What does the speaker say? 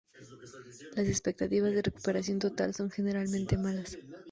Las expectativas de recuperación total son generalmente malas.